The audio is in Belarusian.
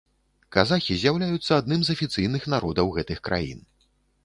Казахі з'яўляюцца адным з афіцыйных народаў гэтых краін.